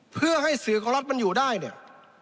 เพื่อให้สื่อของรัฐมันอยู่ได้เนี่ย